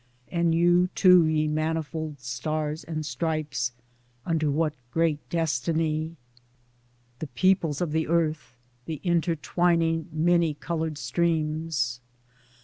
And you, too, ye mani fold Stars and Stripes — unto what great destiny ! The peoples of the Earth ; the intertwining many colored streams